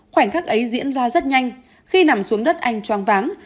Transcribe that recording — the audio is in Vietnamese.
khoảnh khắc ấy diễn ra rất nhanh khi nằm xuống đất anh choáng váng